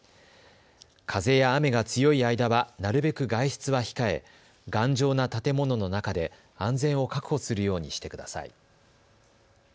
風や雨が強い間はなるべく外出は控え頑丈な建物の中で安全を確保するようにしてください。